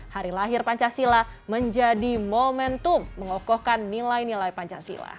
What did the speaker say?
hari lahir pancasila menjadi momentum mengokohkan nilai nilai pancasila